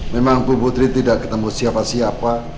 memang bu putri tidak ketemu siapa siapa